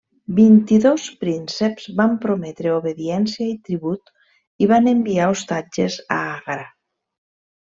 Vint-i-dos prínceps van prometre obediència i tribut i van enviar ostatges a Agra.